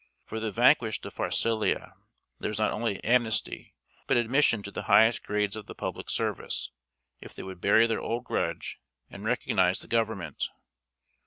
For the vanquished of Pharsalia there was not only amnesty, but admission to the highest grades of the public service, if they would bury their old grudge and recognize the government.